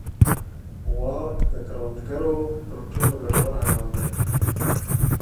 غوا د کروندګرو تر ټولو ګټور حیوان دی.